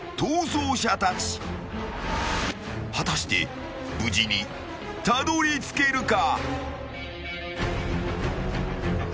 ［果たして無事にたどりつけるか？］